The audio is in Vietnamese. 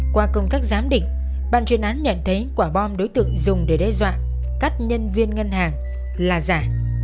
qua công tác giám định ban chuyên án nhận thấy quả bom đối tượng dùng để đe dọa cắt nhân viên ngân hàng là giả